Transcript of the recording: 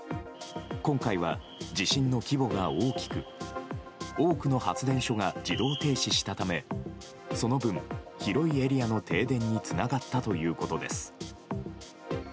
今回は地震の規模が大きく多くの発電所が自動停止したためその分、広いエリアの停電につながったということです。